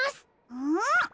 うん！